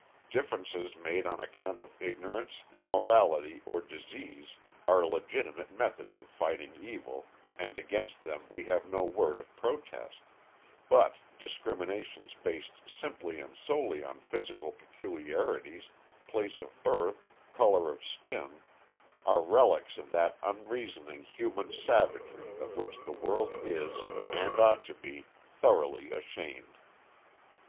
Differences made on account of ignorance, immorality, or disease are legitimate methods of fighting evil, and against them we have no word of protest, but discriminations based simply and solely on physical peculiarities, place of birth, colour of skin, are relics of that unreasoning human savagery of which the world is, and ought to be, thoroughly ashamed.